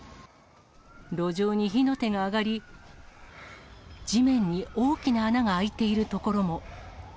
路上に火の手が上がり、地面に大きな穴が開いている所も。